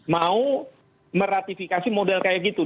mau meratifikasi model kayak gitu